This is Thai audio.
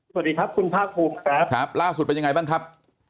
สวัสดีครับคุณภาคภูมิครับครับล่าสุดเป็นยังไงบ้างครับ